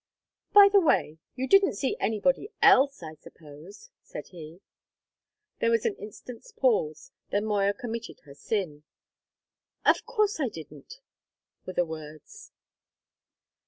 "By the way, you didn't see anybody else, I suppose?" said he. There was an instant's pause. Then Moya committed her sin. "Of course I didn't," were the words.